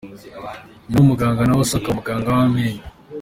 Nyina ni umuganga naho se akaba muganga w’amenyo.